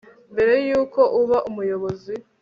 mbere yuko uba umuyobozi